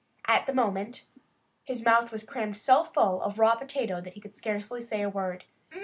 At the moment, his mouth was crammed so full of raw potato that he could scarcely say a word.